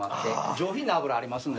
上品な脂ありますので。